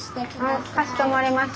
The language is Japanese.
はいかしこまりました。